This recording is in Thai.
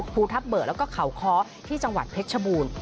ภูทับเบิกแล้วก็เขาค้อที่จังหวัดเพชรชบูรณ์